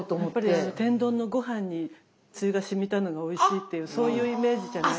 やっぱりあの天丼のごはんにつゆがしみたのがおいしいっていうそういうイメージじゃないですか？